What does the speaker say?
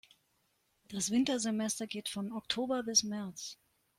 Das Wintersemester geht von Oktober bis März.